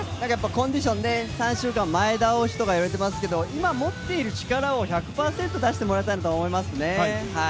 コンディション、３週間前倒しといわれていますけど今持っている力を１００％出してもらいたいなと思いますね。